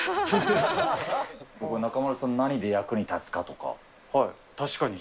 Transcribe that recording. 中丸さん、何で役に立つかと確かに。